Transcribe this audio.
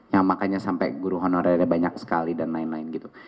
yang makanya sampai guru honorernya banyak sekali dan lain lain gitu